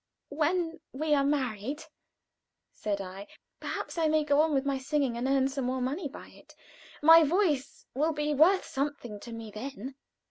"When we are married," said I, "perhaps I may go on with my singing, and earn some more money by it. My voice will be worth something to me then."